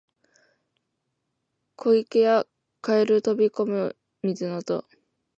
古池や蛙飛び込む水の音